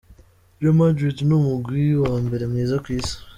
"Real Madrid ni umugwi wa mbere mwiza kw'isi.